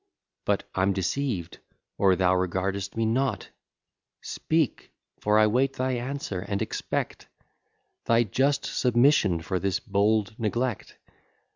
But I'm deceived, or thou regard'st me not; Speak, for I wait thy answer, and expect Thy just submission for this bold neglect.